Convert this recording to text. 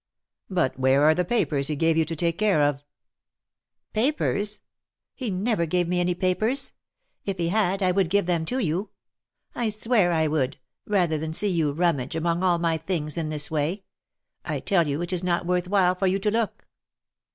"But where are the papers he gave you to take care of?" " Papers I He never gave me any papers. If he had,. I would give them to you — I swear I would, rather than 290 THE MARKETS OF PARIS. see you rummage among all my things in this way. I tell you it is not worth while for you to look."